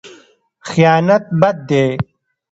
خیانت بد دی.